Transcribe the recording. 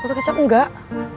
botol kecap enggak